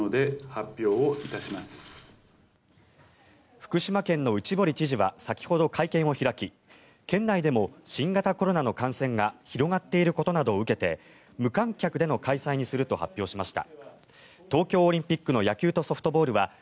福島県の内堀知事は先ほど会見を開き県内でも新型コロナの感染が広がっていることなどを受けて無観客での開催にすると発表しました。